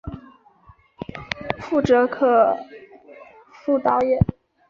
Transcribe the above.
覆辙可复蹈耶？